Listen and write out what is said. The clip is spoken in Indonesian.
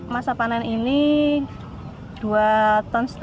masa panen ini dua ton